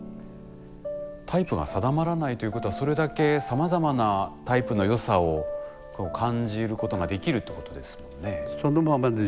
タイプが定まらないということはそれだけさまざまなタイプの良さを感じることができるということですよね。